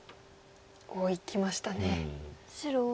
おおいきましたね。